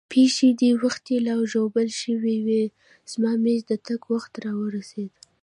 پښې دې وختي لا ژوبل شوې، زما مېږي د تګ وخت را ورسېد.